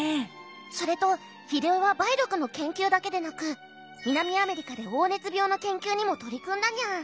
それと英世は梅毒の研究だけでなく南アメリカで黄熱病の研究にも取り組んだにゃん。